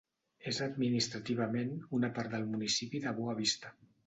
És administrativament una part del municipi de Boa Vista.